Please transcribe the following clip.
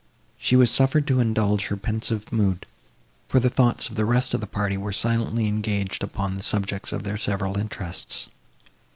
She was suffered to indulge her pensive mood, for the thoughts of the rest of the party were silently engaged upon the subjects of their several interests.